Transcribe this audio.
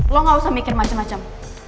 lo gak usah mikir macem macem